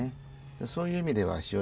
そういう意味では非常に。